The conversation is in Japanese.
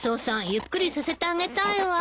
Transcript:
ゆっくりさせてあげたいわ。